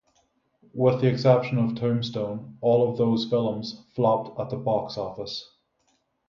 With the exception of "Tombstone", all of those films flopped at the box office.